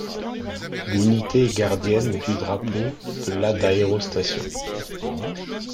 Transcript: L'unité est gardienne du drapeau de la d'aérostation.